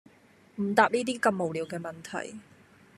唔答呢啲咁無聊嘅問題